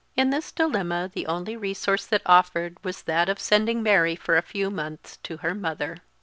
In this dilemma the only resource that offered was that of sending Mary for a few months to her mother.